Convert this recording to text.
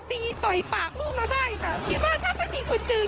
ต่อยปากลูกเราได้ค่ะคิดว่าถ้าไม่มีคนจริง